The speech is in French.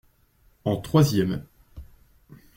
En troisième.